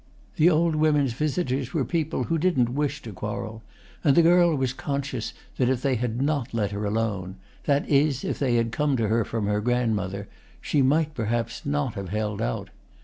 The old woman's visitors were people who didn't wish to quarrel, and the girl was conscious that if they had not let her alone—that is if they had come to her from her grandmother—she might perhaps not have held out.